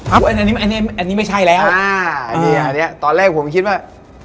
อันนี้ไม่ใช่ตอนแรกผมคิดว่า